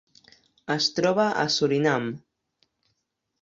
Es troba a Surinam.